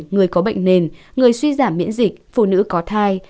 người có bệnh nền người suy giảm miễn dịch phụ nữ có thai